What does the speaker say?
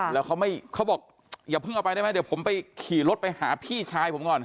แล้วเขาบอกอย่าเพิ่งเอาไปได้ไหมเดี๋ยวผมไปขี่รถไปหาพี่ชายผมก่อน